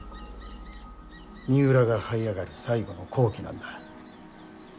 三浦が、はい上がる最後の好機なんだ。